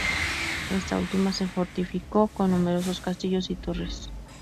Esta última se fortificó con numerosos castillos y torres.